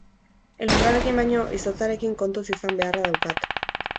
Elurrarekin baino, izotzarekin kontuz izan beharra daukat.